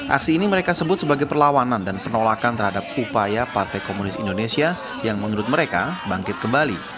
aksi ini mereka sebut sebagai perlawanan dan penolakan terhadap upaya partai komunis indonesia yang menurut mereka bangkit kembali